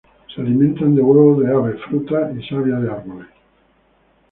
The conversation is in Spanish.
Se alimentan de huevos de aves, frutas y savia de árboles.